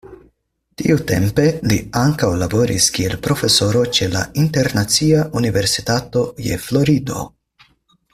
Tiutempe li ankaŭ laboris kiel profesoro ĉe la Internacia Universitato je Florido.